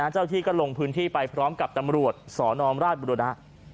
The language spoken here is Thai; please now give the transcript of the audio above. เจ้าที่ก็ลงพื้นที่ไปพร้อมกับตำรวจสนราชบุรณะ